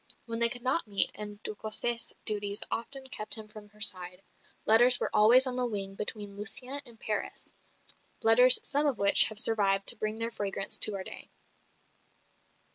When they could not meet and de Cossé's duties often kept him from her side letters were always on the wing between Lucienne and Paris, letters some of which have survived to bring their fragrance to our day.